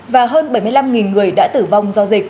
và hơn bảy mươi năm người đã tử vong